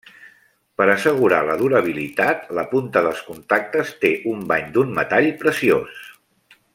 Per assegurar la durabilitat, la punta dels contactes té un bany d'un metall preciós.